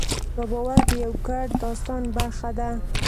دا باور د یوه ګډ داستان برخه ده.